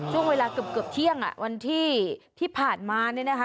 ช่วงเวลาเกือบเที่ยงอ่ะวันที่ผ่านมาเนี่ยนะคะ